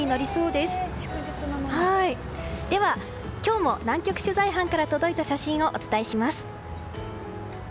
では、今日も南極取材班から届いた写真をお伝えします。